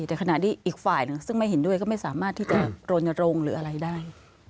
แต่ขณะที่อีกฝ่ายหนึ่งซึ่งไม่เห็นด้วยก็ไม่สามารถที่จะโรนโรงหรืออะไรได้